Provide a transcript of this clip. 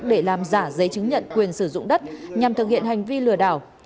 để làm giả giấy chứng nhận quyền sử dụng đất nhằm thực hiện hành vi lừa đảo